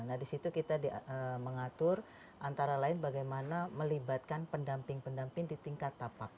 nah di situ kita mengatur antara lain bagaimana melibatkan pendamping pendamping di tingkat tapak